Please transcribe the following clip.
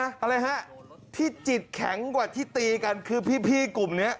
อะไรฮะที่จิตแข็งกว่าที่ตีกันคือพี่กลุ่มนี้